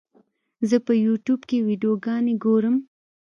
زه په یوټیوب کې ویډیوګانې ګورم.